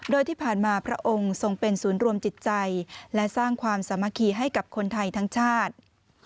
โดยที่ผ่านมาพระองค์ทรงเป็นศูนย์รวมจิตใจและสร้างความสามัคคีให้กับคนไทยทั้งชาติ